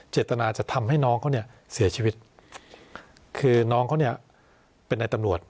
เจตนาจะทำให้น้องเขาเนี่ยเสียชีวิตคือน้องเขาเนี่ยเป็นในตำรวจ